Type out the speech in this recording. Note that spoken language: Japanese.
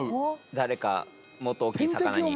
誰かもっと大きい魚に。